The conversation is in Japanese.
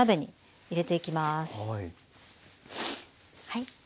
はい。